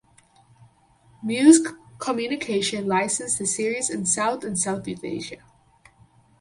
Muse Communication licensed the series in South and Southeast Asia.